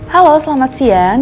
halo selamat siang